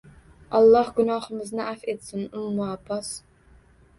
Olloh gunohingizni afv etsin, Ummu Abbos